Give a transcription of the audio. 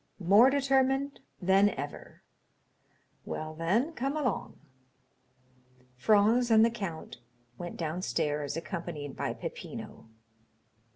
"More determined than ever." "Well, then, come along." Franz and the count went downstairs, accompanied by Peppino.